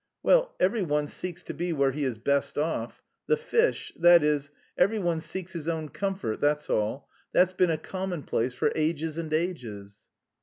"Well, every one seeks to be where he is best off. The fish... that is, every one seeks his own comfort, that's all. That's been a commonplace for ages and ages."